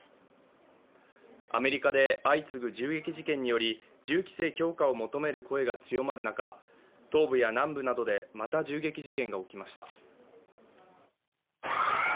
アメリカで相次ぐ銃撃事件により、銃規制強化を求める声が強まる中東部や南部などでまた銃撃事件が起きました。